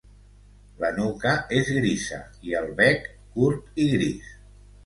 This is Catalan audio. La nuca és grisa, i el bec curt i gris.